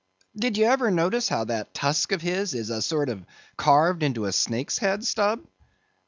Did you ever notice how that tusk of his is a sort of carved into a snake's head, Stubb?"